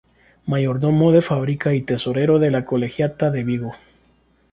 Mayordomo de Fábrica y Tesorero de la Colegiata de Vigo.